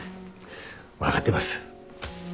分がってます。